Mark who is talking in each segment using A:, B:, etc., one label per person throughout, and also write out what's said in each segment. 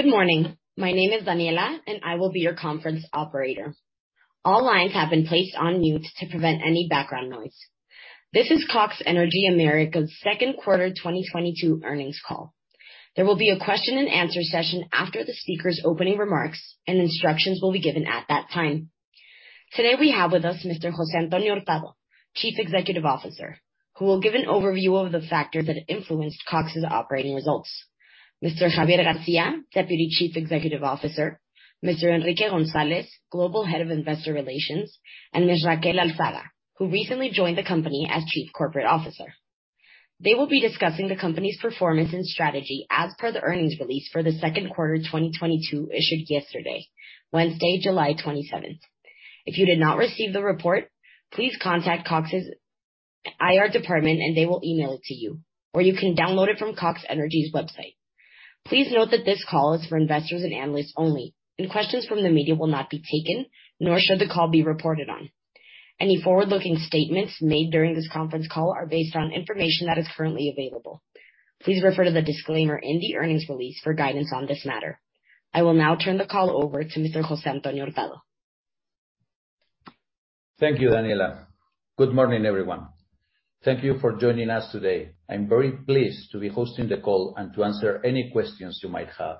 A: Good morning. My name is Daniela, and I will be your conference operator. All lines have been placed on mute to prevent any background noise. This is Cox Energy América's Second Quarter 2022 Earnings Call. There will be a question and answer session after the speaker's opening remarks, and instructions will be given at that time. Today, we have with us Mr. José Antonio Hurtado, Chief Executive Officer, who will give an overview of the factors that influenced Cox's operating results. Mr. Javier García, Deputy Chief Executive Officer, Mr. Enrique González, Global Head of Investor Relations, and Ms. Raquel Alzaga, who recently joined the company as Chief Corporate Officer. They will be discussing the company's performance and strategy as per the earnings release for the second quarter 2022, issued yesterday, Wednesday, July 27. If you did not receive the report, please contact Cox's IR department and they will email it to you, or you can download it from Cox Energy's website. Please note that this call is for investors and analysts only, and questions from the media will not be taken, nor should the call be reported on. Any forward-looking statements made during this conference call are based on information that is currently available. Please refer to the disclaimer in the earnings release for guidance on this matter. I will now turn the call over to Mr. José Antonio Hurtado.
B: Thank you, Daniela. Good morning, everyone. Thank you for joining us today. I'm very pleased to be hosting the call and to answer any questions you might have.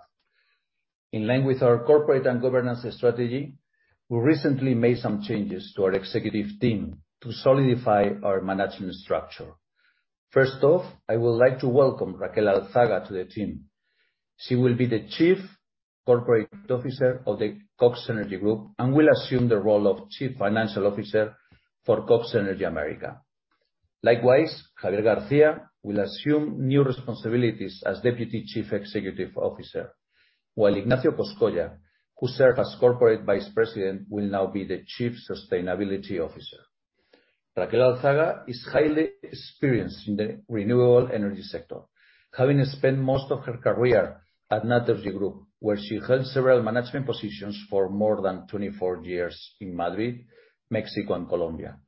B: In line with our corporate and governance strategy, we recently made some changes to our executive team to solidify our management structure. First off, I would like to welcome Raquel Alzaga to the team. She will be the Chief Corporate Officer of the Cox Energy Group and will assume the role of Chief Financial Officer for Cox Energy América. Likewise, Javier García Arenas will assume new responsibilities as Deputy Chief Executive Officer, while Ignacio Coscolla, who served as corporate vice president, will now be the Chief Sustainability Officer. Raquel Alzaga is highly experienced in the renewable energy sector, having spent most of her career at Naturgy Group, where she held several management positions for more than 24 years in Madrid, Mexico, and Colombia.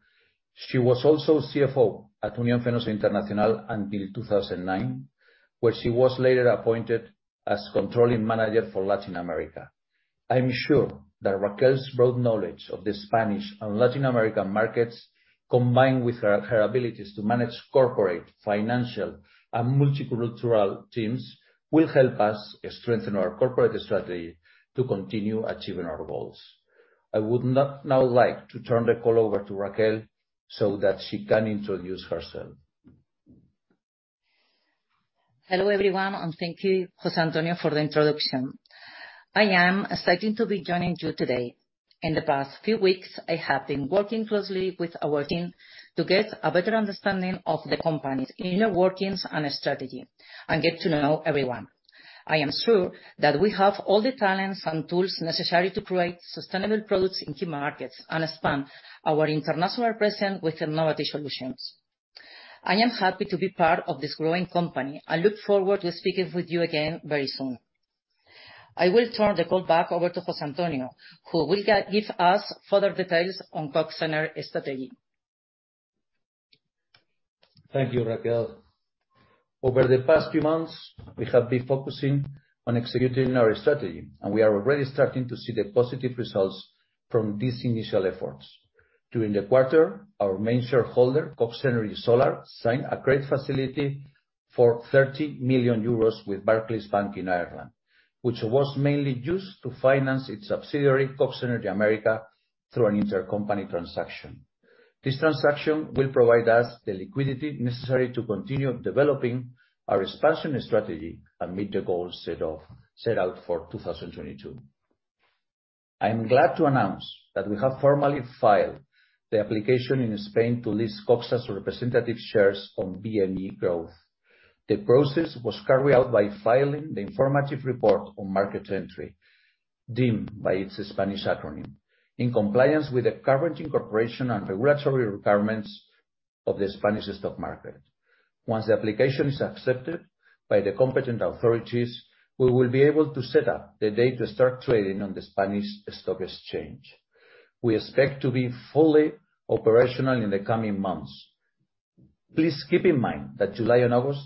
B: She was also CFO at Unión Fenosa International until 2009, where she was later appointed as controlling manager for Latin America. I am sure that Raquel's broad knowledge of the Spanish and Latin American markets, combined with her abilities to manage corporate, financial, and multicultural teams, will help us strengthen our corporate strategy to continue achieving our goals. I would now like to turn the call over to Raquel so that she can introduce herself.
C: Hello, everyone, and thank you, José Antonio, for the introduction. I am excited to be joining you today. In the past few weeks, I have been working closely with our team to get a better understanding of the company's inner workings and strategy, and get to know everyone. I am sure that we have all the talents and tools necessary to create sustainable products in key markets and expand our international presence with innovative solutions. I am happy to be part of this growing company and look forward to speaking with you again very soon. I will turn the call back over to José Antonio, who will give us further details on Cox Energy strategy.
B: Thank you, Raquel. Over the past few months, we have been focusing on executing our strategy, and we are already starting to see the positive results from these initial efforts. During the quarter, our main shareholder, Cox Energy Solar, signed a credit facility for 30 million euros with Barclays Bank Ireland PLC, which was mainly used to finance its subsidiary, Cox Energy América, through an intercompany transaction. This transaction will provide us the liquidity necessary to continue developing our expansion strategy and meet the goals set out for 2022. I am glad to announce that we have formally filed the application in Spain to list Cox's representative shares on BME Growth. The process was carried out by filing the informative report on market entry, DIM, by its Spanish acronym, in compliance with the current incorporation and regulatory requirements of the Spanish stock market. Once the application is accepted by the competent authorities, we will be able to set up the date to start trading on the Spanish stock exchange. We expect to be fully operational in the coming months. Please keep in mind that July and August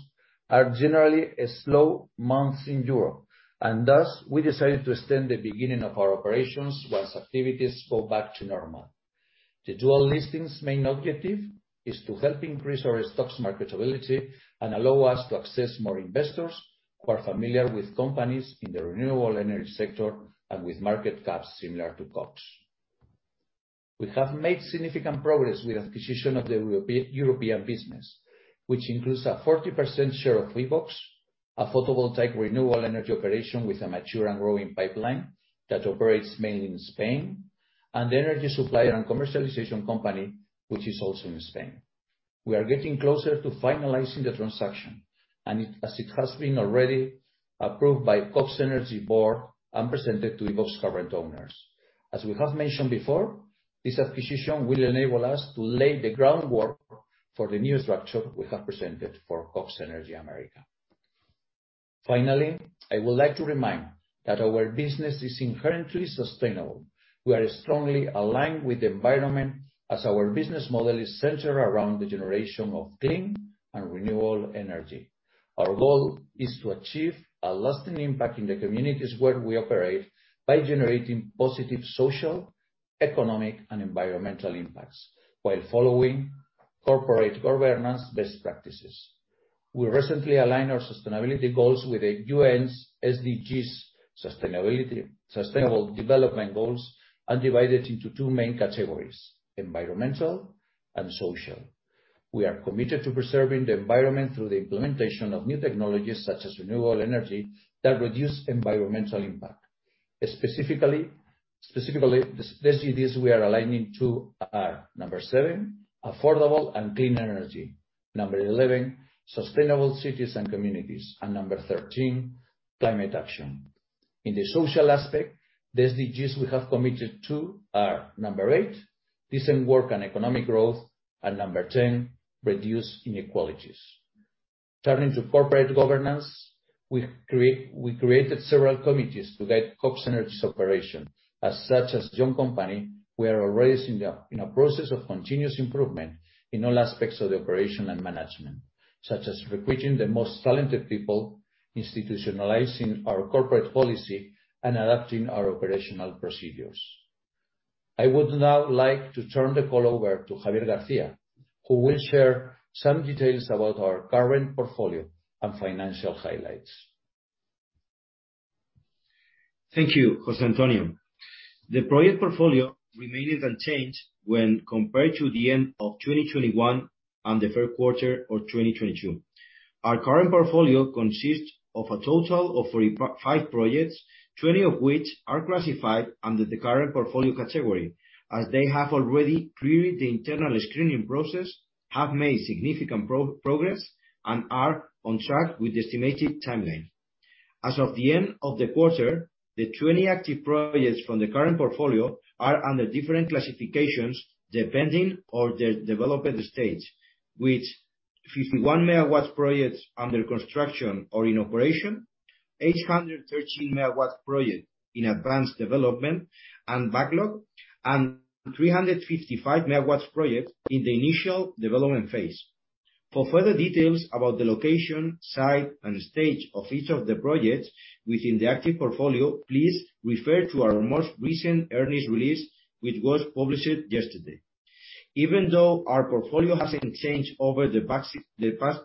B: are generally slow months in Europe, and thus, we decided to extend the beginning of our operations once activities go back to normal. The dual listing's main objective is to help increase our stocks marketability and allow us to access more investors who are familiar with companies in the renewable energy sector and with market caps similar to Cox. We have made significant progress with acquisition of the European business, which includes a 40% share of Ibox Energy, a photovoltaic renewable energy operation with a mature and growing pipeline that operates mainly in Spain, and energy supplier and commercialization company, which is also in Spain. We are getting closer to finalizing the transaction, as it has been already approved by Cox Energy board and presented to Ibox Energy current owners. As we have mentioned before, this acquisition will enable us to lay the groundwork for the new structure we have presented for Cox Energy América. Finally, I would like to remind that our business is inherently sustainable. We are strongly aligned with the environment as our business model is centered around the generation of clean and renewable energy. Our goal is to achieve a lasting impact in the communities where we operate by generating positive social, economic, and environmental impacts while following corporate governance best practices. We recently aligned our sustainability goals with the UN's SDGs, sustainable development goals, and divide it into two main categories, environmental and social. We are committed to preserving the environment through the implementation of new technologies such as renewable energy that reduce environmental impact. Specifically, the SDGs we are aligning to are 7, affordable and clean energy, 11, sustainable cities and communities, and 13, climate action. In the social aspect, the SDGs we have committed to are 8, decent work and economic growth, and 10, reduce inequalities. Turning to corporate governance, we created several committees to guide Cox Energy's operation. As such, as a young company, we are already in a process of continuous improvement in all aspects of the operation and management, such as recruiting the most talented people, institutionalizing our corporate policy, and adapting our operational procedures. I would now like to turn the call over to Javier García, who will share some details about our current portfolio and financial highlights.
D: Thank you, José Antonio. The project portfolio remained unchanged when compared to the end of 2021 and the third quarter of 2022. Our current portfolio consists of a total of 45 projects, 20 of which are classified under the current portfolio category, as they have already cleared the internal screening process, have made significant progress, and are on track with estimated timeline. As of the end of the quarter, the 20 active projects from the current portfolio are under different classifications depending on their development stage, which 51 MW projects under construction or in operation, 813 MW project in advanced development and backlog, and 355 MW projects in the initial development phase. For further details about the location, site, and stage of each of the projects within the active portfolio, please refer to our most recent earnings release, which was published yesterday. Even though our portfolio hasn't changed over the past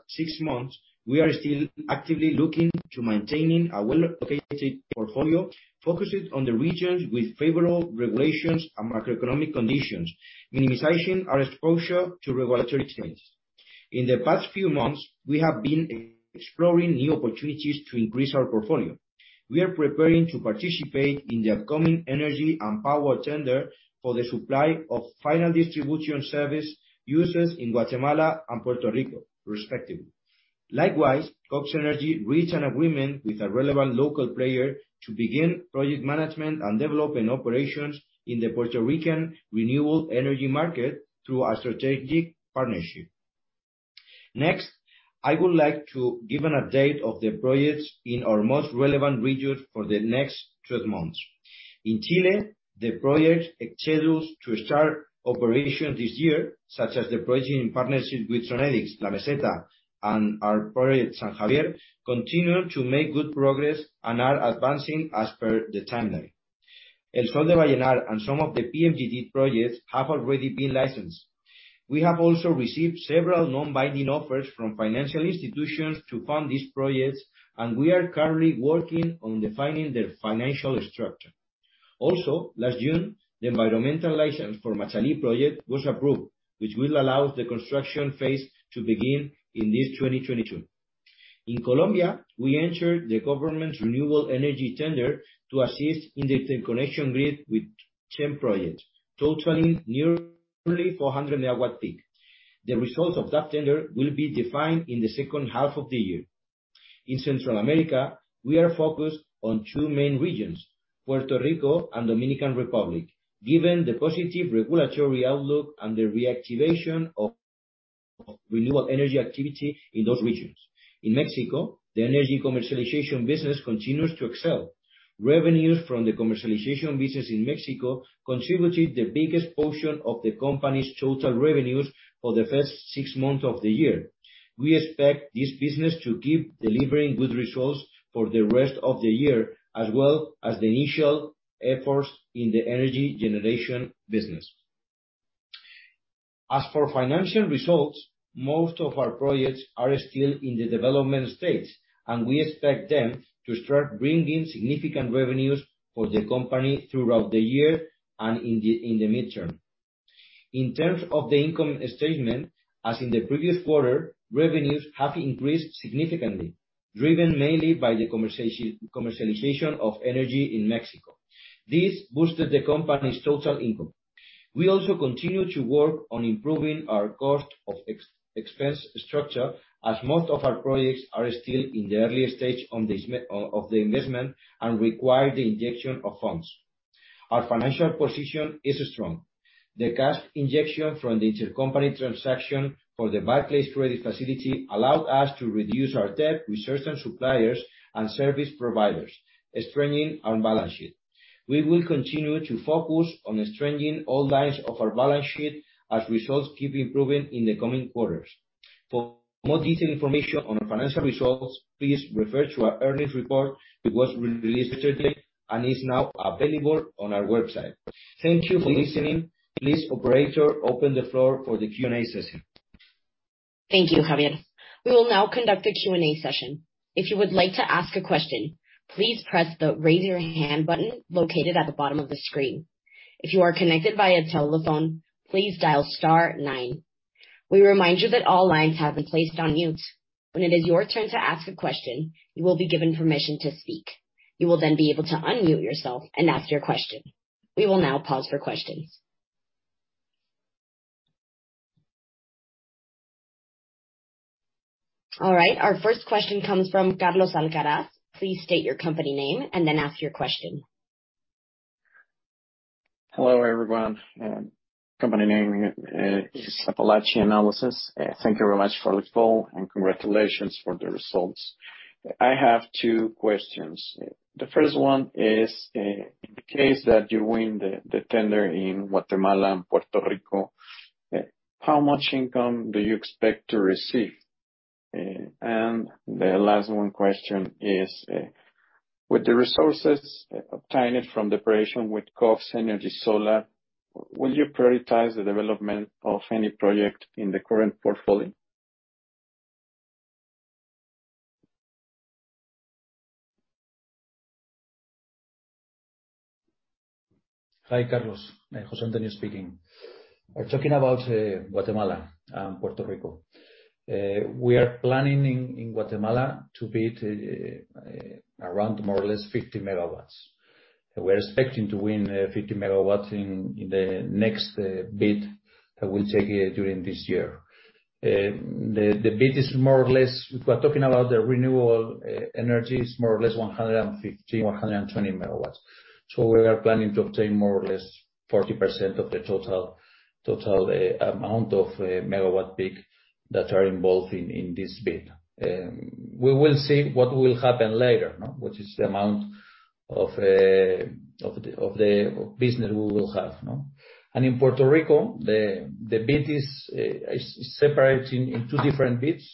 D: six months, we are still actively looking to maintaining a well-located portfolio, focusing on the regions with favorable regulations and macroeconomic conditions, minimizing our exposure to regulatory change. In the past few months, we have been exploring new opportunities to increase our portfolio. We are preparing to participate in the upcoming energy and power tender for the supply of final distribution service users in Guatemala and Puerto Rico, respectively. Likewise, Cox Energy reached an agreement with a relevant local player to begin project management and development operations in the Puerto Rican renewable energy market through a strategic partnership. Next, I would like to give an update of the projects in our most relevant regions for the next twelve months. In Chile, the projects are scheduled to start operation this year, such as the project in partnership with Sonnedix, La Meseta, and our project San Javier, continue to make good progress and are advancing as per the timeline. El Sol de Vallenar and some of the PMGD projects have already been licensed. We have also received several non-binding offers from financial institutions to fund these projects, and we are currently working on defining their financial structure. Also, last June, the environmental license for Machalí project was approved, which will allow the construction phase to begin in this 2022. In Colombia, we entered the government's renewable energy tender to assist in the interconnection grid with 10 projects, totaling nearly 400 MW peak. The results of that tender will be defined in the second half of the year. In Central America, we are focused on two main regions, Puerto Rico and Dominican Republic, given the positive regulatory outlook and the reactivation of renewable energy activity in those regions. In Mexico, the energy commercialization business continues to excel. Revenues from the commercialization business in Mexico contributed the biggest portion of the company's total revenues for the first six months of the year. We expect this business to keep delivering good results for the rest of the year, as well as the initial efforts in the energy generation business. As for financial results, most of our projects are still in the development stage, and we expect them to start bringing significant revenues for the company throughout the year and in the mid-term. In terms of the income statement, as in the previous quarter, revenues have increased significantly, driven mainly by the commercialization of energy in Mexico. This boosted the company's total income. We also continue to work on improving our cost of expense structure as most of our projects are still in the early stage of the investment and require the injection of funds.
B: Our financial position is strong. The cash injection from the intercompany transaction for the Barclays credit facility allowed us to reduce our debt with certain suppliers and service providers, strengthening our balance sheet. We will continue to focus on strengthening all lines of our balance sheet as results keep improving in the coming quarters. For more detailed information on our financial results, please refer to our earnings report. It was released recently and is now available on our website. Thank you for listening. Please, operator, open the floor for the Q&A session.
A: Thank you, Javier. We will now conduct a Q&A session. If you would like to ask a question, please press the Raise Your Hand button located at the bottom of the screen. If you are connected via telephone, please dial star nine. We remind you that all lines have been placed on mute. When it is your turn to ask a question, you will be given permission to speak. You will then be able to unmute yourself and ask your question. We will now pause for questions. All right, our first question comes from Carlos Alcaraz. Please state your company name and then ask your question.
E: Hello, everyone. Company name is Apalache Analysis. Thank you very much for the call, and congratulations for the results. I have two questions. The first one is, in case that you win the tender in Guatemala and Puerto Rico, how much income do you expect to receive? The last one question is, with the resources obtained from the operation with Cox Energy Solar, will you prioritize the development of any project in the current portfolio?
B: Hi, Carlos. José Antonio speaking. Talking about Guatemala and Puerto Rico. We are planning in Guatemala to bid around more or less 50 MW. We're expecting to win 50 MW in the next bid that we'll take during this year. We're talking about the renewable energy is more or less 150, 120 MW. So we are planning to obtain more or less 40% of the total amount of MW peak that are involved in this bid. We will see what will happen later, no? Which is the amount of the business we will have, no? In Puerto Rico, the bid is separate in two different bids.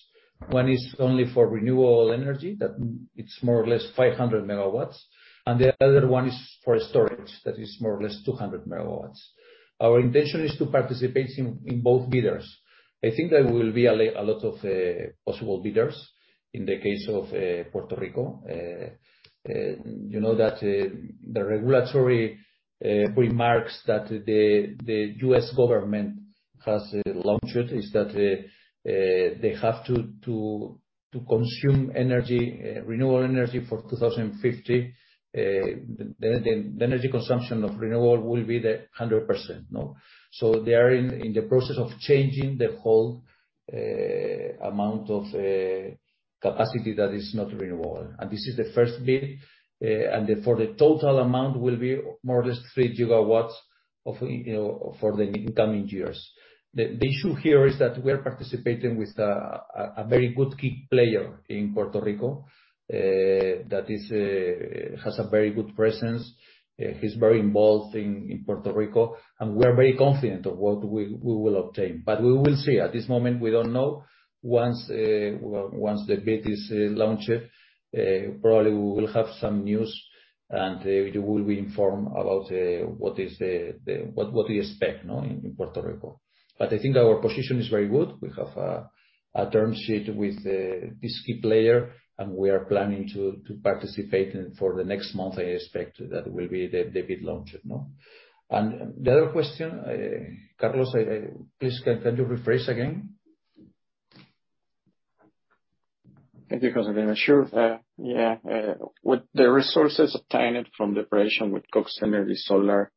B: One is only for renewable energy. That, it's more or less 500 MW, and the other one is for storage. That is more or less 200 MW. Our intention is to participate in both bids. I think there will be a lot of possible bidders in the case of Puerto Rico. You know that the regulatory requirements that the U.S. government has launched is that they have to consume renewable energy for 2050. The energy consumption of renewable will be 100%, no? They are in the process of changing the whole amount of capacity that is not renewable. This is the first bid, and for the total amount will be more or less 3 GW for the incoming years. The issue here is that we are participating with a very good key player in Puerto Rico that has a very good presence. He's very involved in Puerto Rico, and we're very confident of what we will obtain. But we will see. At this moment, we don't know. Once the bid is launched, probably we will have some news, and you will be informed about what we expect, no, in Puerto Rico. But I think our position is very good. We have a term sheet with this key player, and we are planning to participate, and for the next month, I expect that will be the bid launch, no? The other question, Carlos, please can you rephrase again?
E: Thank you, José. Sure. With the resources obtained from the operation with Cox Energy Solar,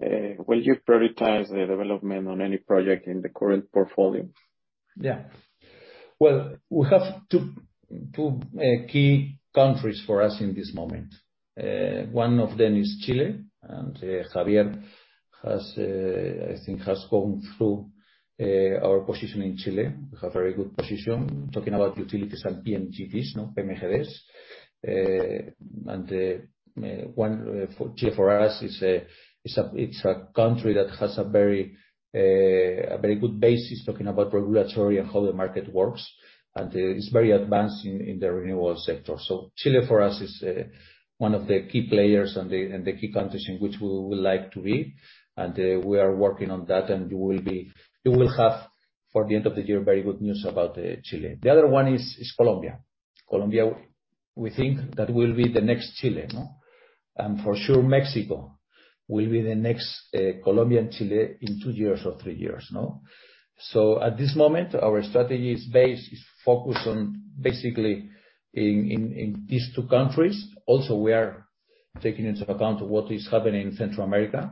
E: will you prioritize the development on any project in the current portfolio?
B: Well, we have two key countries for us in this moment. One of them is Chile, and Javier has, I think, gone through our position in Chile. We have very good position, talking about utilities and PMGDs, no? And one for us is a, it is a country that has a very good basis, talking about regulatory and how the market works. It is very advanced in the renewable sector. Chile for us is one of the key players and the key countries in which we would like to be. We are working on that, and you will have, for the end of the year, very good news about Chile. The other one is Colombia. Colombia, we think that will be the next Chile, no? For sure, Mexico will be the next Colombia and Chile in two years or three years, no? At this moment, our strategy is focused on basically in these two countries. Also, we are-
D: Taking into account what is happening in Central America,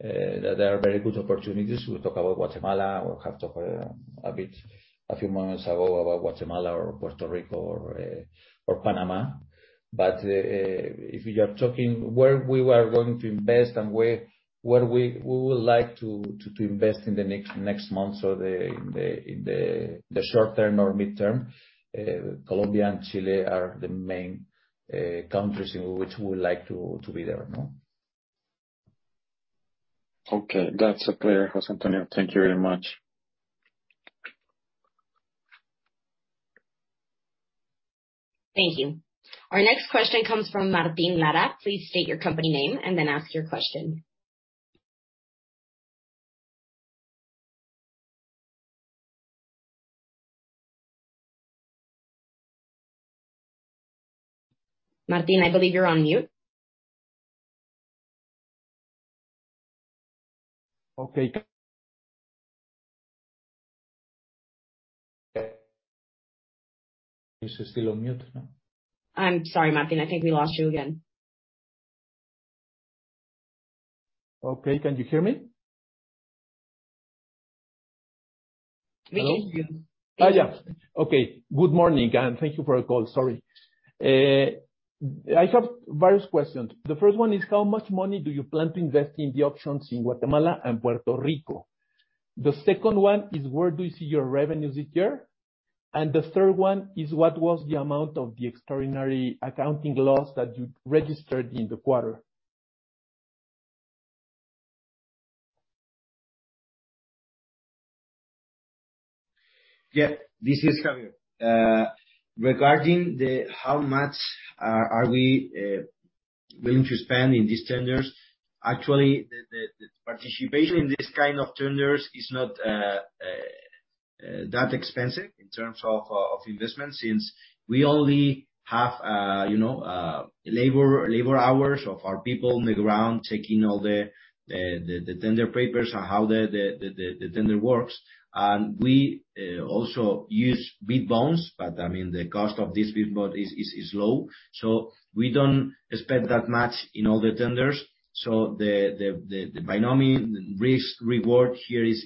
D: there are various opportunities. We talk about Guatemala, or have talked a bit, a few moments ago about Guatemala or Puerto Rico or Panama. If you are talking about where we were going to invest and where we would like to invest in the next months or in the short term or mid term, Colombia and Chile are the main countries in which we would like to be there, no?
E: Okay. That's clear, José Antonio. Thank you very much.
A: Thank you. Our next question comes from Martin Mara. Please state your company name and then ask your question. Martin, I believe you're on mute. Okay. You're still on mute. I'm sorry, Martin. I think we lost you again.
F: Okay. Can you hear me?
A: We can hear you.
F: Oh, yeah. Okay. Good morning, and thank you for the call. Sorry. I have various questions. The first one is, how much money do you plan to invest in the options in Guatemala and Puerto Rico? The second one is, where do you see your revenues this year? And the third one is, what was the amount of the extraordinary accounting loss that you registered in the quarter?
D: This is Javier. Regarding how much are we willing to spend in these tenders, actually the participation in this kind of tenders is not that expensive in terms of investment, since we only have, you know, labor hours of our people on the ground taking all the tender papers on how the tender works. We also use bid bonds, but, I mean, the cost of this bid bond is low. We don't spend that much in all the tenders. The benign risk-reward here is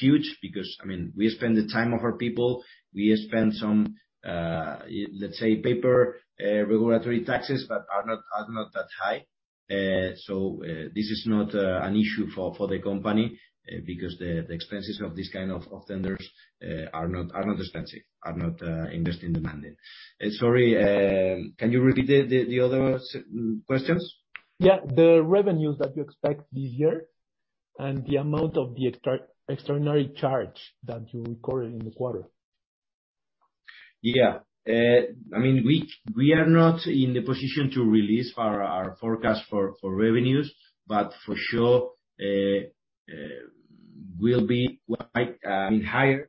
D: huge because, I mean, we spend the time of our people. We spend some, let's say paper regulatory taxes, but are not that high. This is not an issue for the company because the expenses of this kind of tenders are not investment intensive. Sorry, can you repeat the other questions?
F: Yeah. The revenues that you expect this year and the amount of the extraordinary charge that you recorded in the quarter?
D: Yeah. I mean, we are not in the position to release our forecast for revenues. For sure, we'll be quite, I mean, higher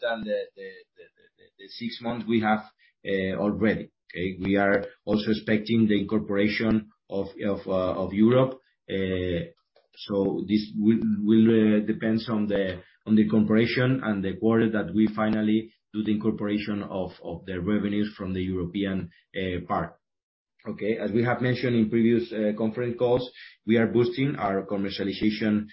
D: than the six months we have already. Okay. We are also expecting the incorporation of Europe. This will depends on the incorporation and the quarter that we finally do the incorporation of the revenues from the European part. Okay. As we have mentioned in previous conference calls, we are boosting our commercialization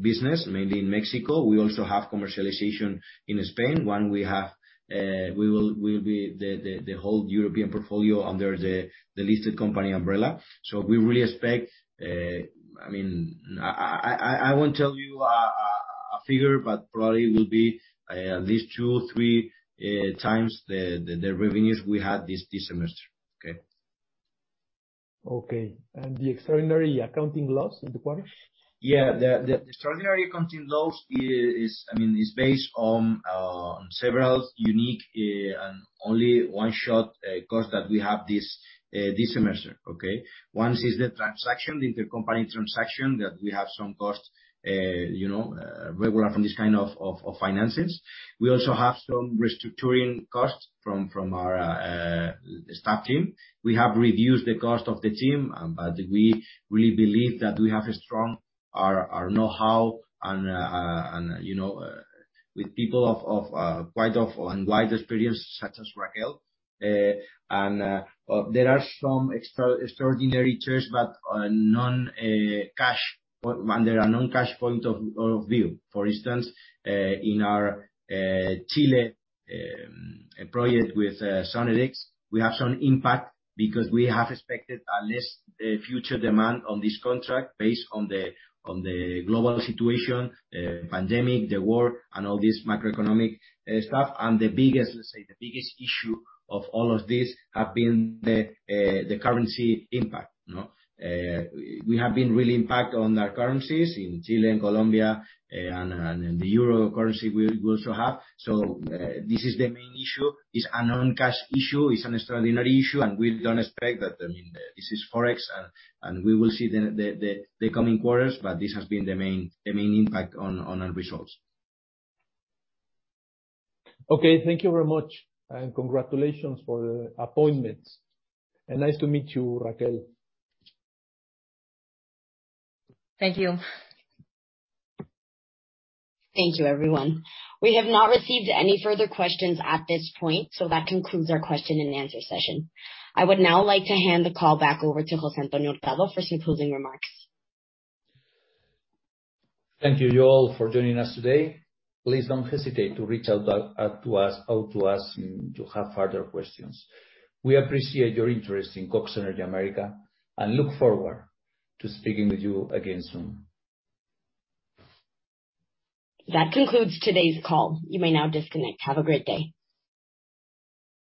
D: business, mainly in Mexico. We also have commercialization in Spain. Once we have, we'll be the whole European portfolio under the listed company umbrella. We really expect, I mean, I won't tell you a figure, but probably will be at least two, three times the revenues we had this semester. Okay.
F: Okay. The extraordinary accounting loss in the quarter?
D: Yeah. The extraordinary accounting loss, I mean, is based on several unique and only one-shot cost that we have this semester. Okay? One is the intercompany transaction that we have some costs, you know, regular from this kind of finances. We also have some restructuring costs from our staff team. We have reduced the cost of the team, but we really believe that we have a strong know-how and, you know, with people of quite wide experience such as Raquel. There are some extraordinary charges, but under a non-cash point of view. For instance, in our Chile project with Sonnedix, we have some impact because we have expected a less future demand on this contract based on the global situation, pandemic, the war and all this macroeconomic stuff. The biggest, let's say, the biggest issue of all of these have been the currency impact. No? We have been really impacted on our currencies in Chile and Colombia, and in the euro currency we also have. So, this is the main issue. It's a non-cash issue, it's an extraordinary issue, and we don't expect that. I mean, this is Forex and we will see the coming quarters, but this has been the main impact on our results.
F: Okay. Thank you very much, and congratulations for the appointment. Nice to meet you, Raquel.
A: Thank you. Thank you, everyone. We have not received any further questions at this point, so that concludes our question-and-answer session. I would now like to hand the call back over to José Antonio Hurtado for some closing remarks.
B: Thank you all for joining us today. Please don't hesitate to reach out to us and to have further questions. We appreciate your interest in Cox Energy América and look forward to speaking with you again soon.
A: That concludes today's call. You may now disconnect. Have a great day.